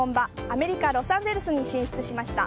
アメリカ・ロサンゼルスに進出しました。